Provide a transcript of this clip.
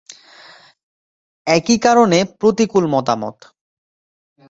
একই কারণে প্রতিকূল মতামত।